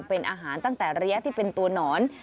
เป็นอาหารตั้งแต่ระยะที่เป็นตัวหนอน